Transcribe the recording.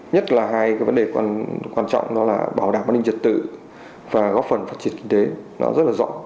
nhất là hai cái vấn đề quan trọng đó là bảo đảm an ninh trật tự và góp phần phát triển kinh tế nó rất là rõ